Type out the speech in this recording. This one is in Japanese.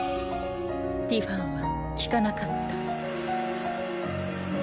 ティファンは聞かなかった。